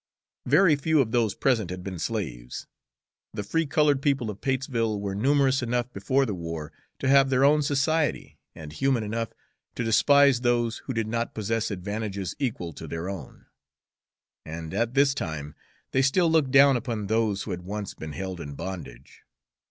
Very few of those present had been slaves. The free colored people of Patesville were numerous enough before the war to have their own "society," and human enough to despise those who did not possess advantages equal to their own; and at this time they still looked down upon those who had once been held in bondage.